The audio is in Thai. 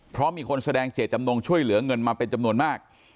เพราะมีคนแสดงเจตจำนงช่วยเหลือเงินมาเป็นจำนวนมาก